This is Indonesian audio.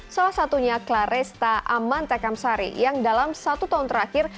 salah satunya claresta aman tekamsari yang dalam satu tahun terakhir